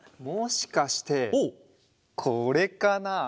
もしかしてこれかな？